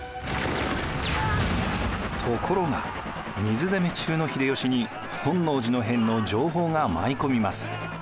ところが水攻め中の秀吉に本能寺の変の情報が舞い込みます。